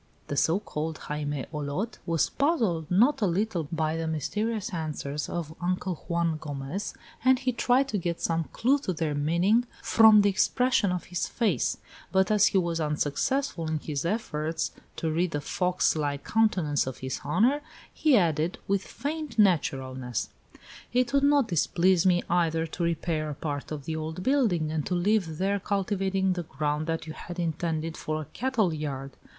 The so called Jaime Olot was puzzled not a little by the mysterious answers of Uncle Juan Gomez, and he tried to get some clue to their meaning from the expression of his face; but as he was unsuccessful in his efforts to read the fox like countenance of his honor, he added, with feigned naturalness: "It would not displease me, either, to repair a part of the old building and to live there, cultivating the ground that you had intended for a cattle yard.